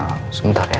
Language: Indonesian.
oh sebentar ya